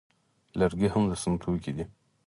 لرګي هم د سون توکي دي